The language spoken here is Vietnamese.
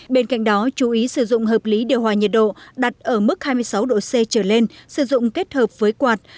bên cạnh đó chú ý sử dụng hợp lý điều hòa nhiệt độ đặt ở mức hai mươi sáu độ c trở lên sử dụng kết hợp với quạt